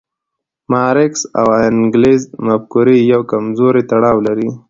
د مارکس او انګلز مفکورې یو کمزوری تړاو لري.